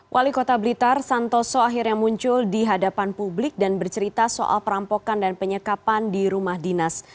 wali kota blitar santoso akhirnya muncul di hadapan publik dan bercerita soal perampokan dan penyekapan di rumah dinas